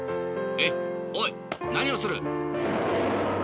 えっおいなにをする？